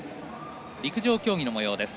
陸上競技のもようです。